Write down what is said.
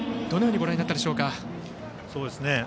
どのようにご覧になったでしょう。